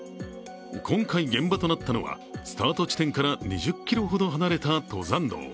今回現場となったのはスタート地点から２０ｋｍほど離れた登山道。